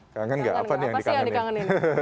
kangen gak apa nih yang dikangenin